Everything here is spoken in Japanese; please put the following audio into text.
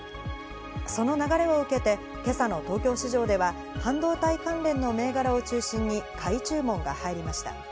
その流れを受けて今朝の東京市場では、半導体関連の銘柄を中心に買い注文が入りました。